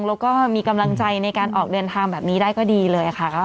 แล้วก็มีกำลังใจในการออกเดินทางแบบนี้ได้ก็ดีเลยค่ะ